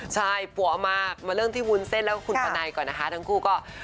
ใช่ปัวมากมาเริ่มที่วุ้นเส้นแล้วก็คุณปะไนก่อนนะคะทั้งคู่ก็